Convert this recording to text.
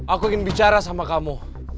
aku ingin bicara sama kamu